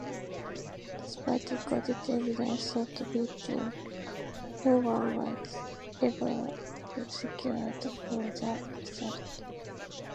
Despite recorded evidence of the beating, no one was ever prosecuted for the assault.